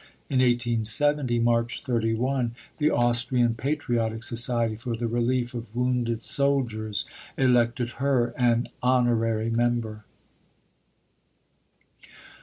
In 1870 (March 31) the Austrian Patriotic Society for the Relief of Wounded Soldiers elected her an Honorary Member.